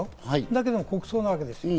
だけど国葬なわけです。